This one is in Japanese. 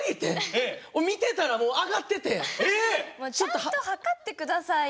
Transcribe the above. ちゃんと測って下さいよ。